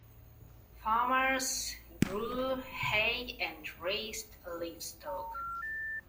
Farmers grew hay and raised livestock.